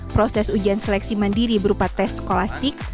proses ujian seleksi mandiri berupa tes sekolastik